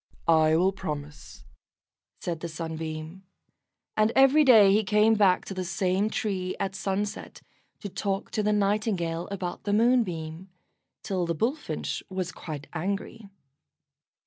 "I will promise," said the Sunbeam, and every day he came back to the same tree at sunset, to talk to the Nightingale about the Moonbeam, till the Bullfinch was quite angry.